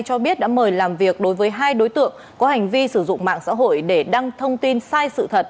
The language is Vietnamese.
cho biết đã mời làm việc đối với hai đối tượng có hành vi sử dụng mạng xã hội để đăng thông tin sai sự thật